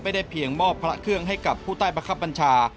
ไม่ได้เพียงมอบพระเครื่องให้กับผู้ใต้ประคับปัญชา